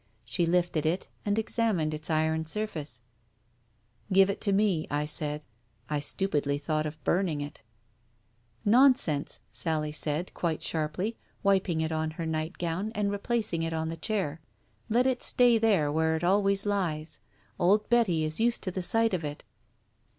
She lifted it, and examined its iron surface. ..." Give it to me," I said. I stupidly thought of burn ing it. " Nonsense !" Sally said, quite sharply, wiping it on her nightgown and replacing it on the chair. "Let it stay there where it always lies. Old Betty is used to the sight of it."